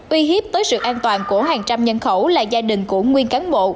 uy hiếp tới sự an toàn của hàng trăm nhân khẩu là gia đình của nguyên cán bộ